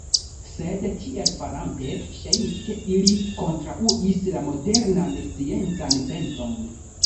Sed tiel farante, ŝajnis ke ili kontraŭis la modernan sciencan penson.